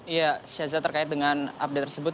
ya saya sudah terkait dengan update tersebut